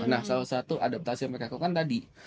nah salah satu adaptasi yang mereka lakukan tadi